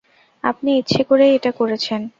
আপনি ইচ্ছে করেই এটা করেছেন।